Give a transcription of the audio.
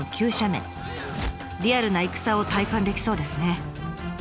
リアルな戦を体感できそうですね。